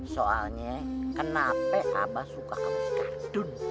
soalnya kenapa abah suka kamu si kardun